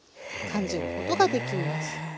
感じることができます。